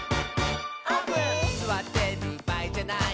「すわってるばあいじゃない」